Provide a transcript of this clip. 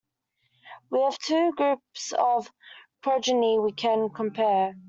We have two groups of progeny we can compare.